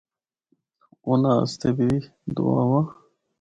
انہاں اسطے بھی دعاواں۔